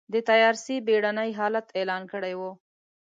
د تيارسۍ بېړنی حالت اعلان کړی و.